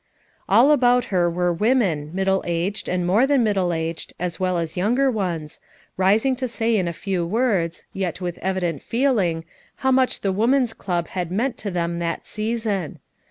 All about her were women, middle aged, and more than middle aged, as well as younger ones, rising to say in few words, yet with evident feeling, how much the Woman's Club had meant to them that season.